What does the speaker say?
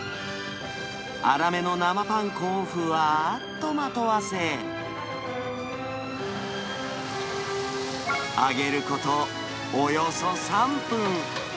粗めの生パン粉をふわっとまとわせ、揚げること、およそ３分。